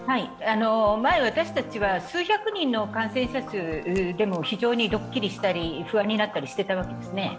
前、私たちは数百人の感染者数でも非常にドッキリしたり不安になっていたりしていたわけですね。